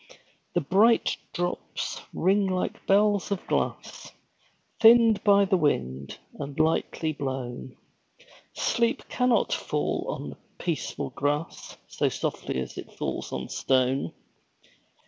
The bright drops ring like bells of glass Thinned by the wind, and lightly blown; Sleep cannot fall on peaceful grass So softly as it falls on stone.